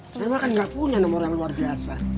saya mah kan nggak punya nomor yang luar biasa